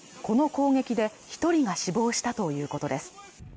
この攻撃で一人が死亡したということです